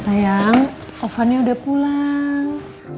sayang ovennya udah pulang